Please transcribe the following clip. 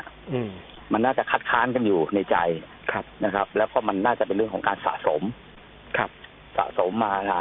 อืมมันน่าจะคัดค้านกันอยู่ในใจครับนะครับแล้วก็มันน่าจะเป็นเรื่องของการสะสมครับสะสมมาอ่า